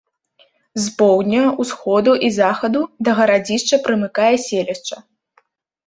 З поўдня, усходу і захаду да гарадзішча прымыкае селішча.